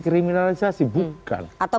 kriminalisasi bukan atau